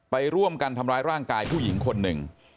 ไปร่วมกันทำร้ายร่างกายผู้หญิงคนหนึ่ง